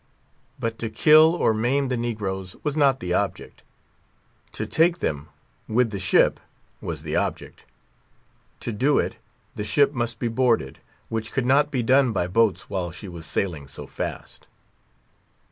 But to kill or maim the negroes was not the object. To take them, with the ship, was the object. To do it, the ship must be boarded; which could not be done by boats while she was sailing so fast.